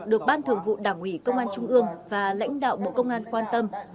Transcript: được ban thường vụ đảng ủy công an trung ương và lãnh đạo bộ công an quan tâm